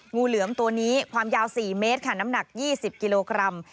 งูเหลือมตัวนี้ความยาว๔เมตรค่ะน้ำหนัก๒๐กิโลกรัม